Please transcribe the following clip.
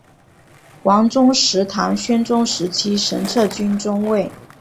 王宗实唐宣宗时期神策军中尉。